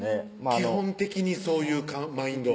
基本的にそういうマインド？